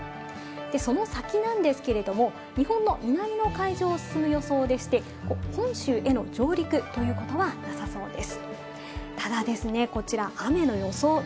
その先なんですけれども、日本の南の海上を進む予想でして、本州への上陸ということはなさそうです。